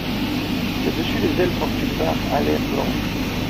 Le dessus des ailes porte une barre alaire blanche.